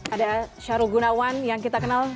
ada syarul gunawan yang kita kenal